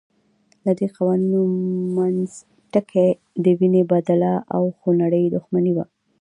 ددې قوانینو منځ ټکی د وینې بدله او خونړۍ دښمني وه.